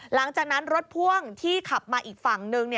หลังจากนั้นรถพ่วงที่ขับมาอีกฝั่งหนึ่ง